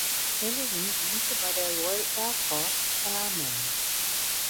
Allison diente bei der Royal Air Force (Airman).